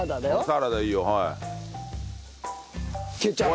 サラダいいよはい。